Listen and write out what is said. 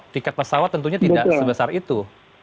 tiket pesawat tentunya tidak sebesar itu